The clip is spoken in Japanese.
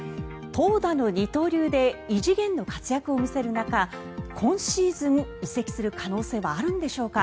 投打の二刀流で異次元の活躍を見せる中今シーズン、移籍する可能性はあるのでしょうか。